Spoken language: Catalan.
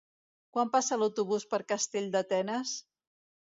Quan passa l'autobús per Calldetenes?